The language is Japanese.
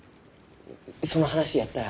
その話やったら。